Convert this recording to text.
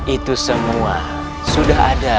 itu semua sudah ada